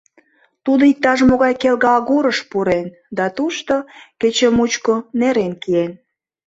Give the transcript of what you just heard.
Тудо иктаж могай келге агурыш пурен да тушто кече мучко нерен киен.